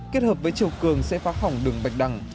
kết hợp với chiều cường sẽ phá khỏng đường bạch đăng